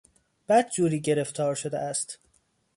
بد جوری گرفتار شده است.